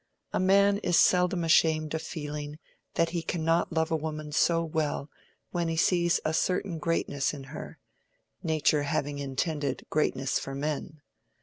A man is seldom ashamed of feeling that he cannot love a woman so well when he sees a certain greatness in her: nature having intended greatness for men.